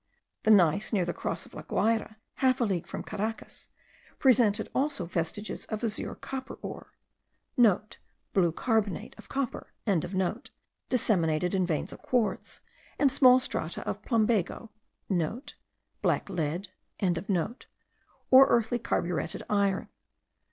The gneiss near the Cross of La Guayra, half a league from Caracas, presented also vestiges of azure copper ore* (* Blue carbonate of copper.) disseminated in veins of quartz, and small strata of plumbago (black lead), or earthy carburetted iron.